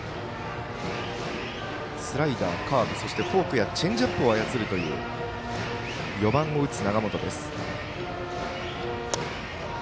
スライダー、カーブそしてフォークやチェンジアップを操るという４番を打つ永本です。